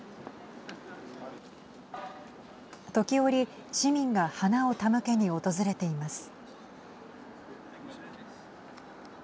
時折、市民が花を手向けに訪れています。